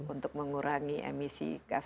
untuk mengurangi emisi gas